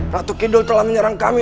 ratu kidul telah menyerang kami